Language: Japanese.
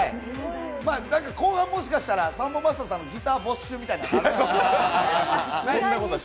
後半もしかしたらサンボマスターさんギター没収みたいなことは？